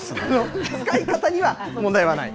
使い方には問題はない。